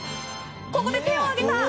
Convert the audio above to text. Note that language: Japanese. ここで手を上げた！